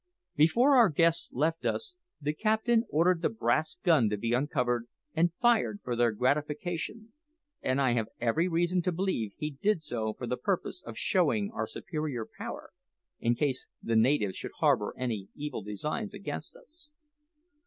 Before our guests left us, the captain ordered the brass gun to be uncovered and fired for their gratification; and I have every reason to believe he did so for the purpose of showing our superior power, in case the natives should harbour any evil designs against us.